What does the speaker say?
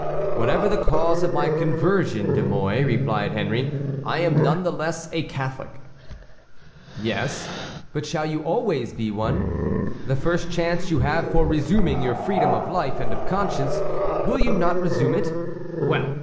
"Whatever the cause of my conversion, De Mouy," replied Henry, "I am none the less a Catholic." "Yes, but shall you always be one? The first chance you have for resuming your freedom of life and of conscience, will you not resume it? Well!